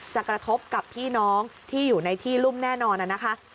กระทบกับพี่น้องที่อยู่ในที่รุ่มแน่นอนนะคะ